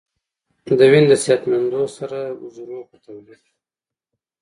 د وینې د صحتمندو سرو حجرو په تولید